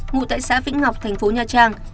ngụ tại xã vĩnh ngọc thành phố nha trang